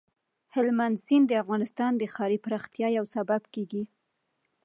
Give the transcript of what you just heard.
هلمند سیند د افغانستان د ښاري پراختیا یو سبب کېږي.